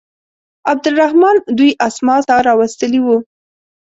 عبدالرحمن دوی اسماس ته راوستلي وه.